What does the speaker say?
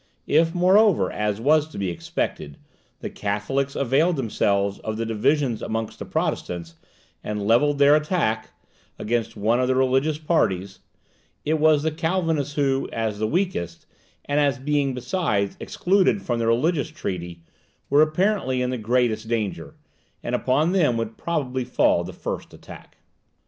If, moreover, as was to be expected, the Catholics availed themselves of the divisions amongst the Protestants, and levelled their attack against one of the religious parties, it was the Calvinists who, as the weaker, and as being besides excluded from the religious treaty, were apparently in the greatest danger, and upon them would probably fall the first attack.